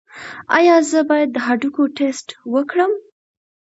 ایا زه باید د هډوکو ټسټ وکړم؟